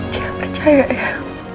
jangan percaya ya